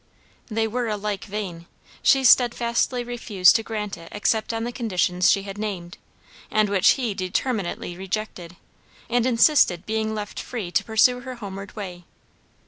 They were alike vain, she steadfastly refused to grant it except on the conditions she had named, and which he determinately rejected and insisted being left free to pursue her homeward way.